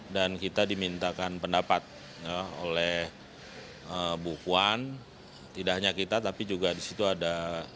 dan kita dimintakan pendapat oleh bukuan tidak hanya kita tapi juga disitu ada